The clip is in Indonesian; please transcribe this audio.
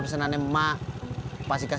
biasanya jangan piang